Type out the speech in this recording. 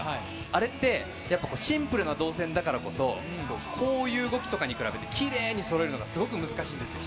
あれって、やっぱシンプルな動線だからこそ、こういう動きとかに比べて、きれいにそろえるのがすごく難しいんですよ。